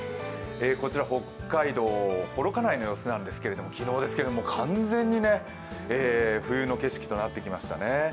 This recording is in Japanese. こちら北海道幌加内の様子ですけれども昨日、完全に冬の景色となってきましたね。